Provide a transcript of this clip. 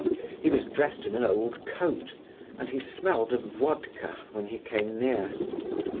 He was dressed in an old coat, and he smelled of vodka when he came near.